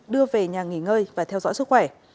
đưa về nhà nghỉ ngơi và theo dõi sức khỏe